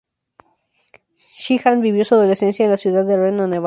Sheehan vivió su adolescencia en la ciudad de Reno, Nevada.